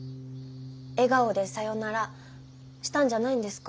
笑顔でさよならしたんじゃないんですか？